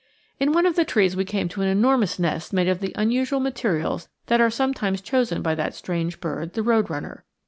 In one of the trees we came to an enormous nest made of the unusual materials that are sometimes chosen by that strange bird, the road runner.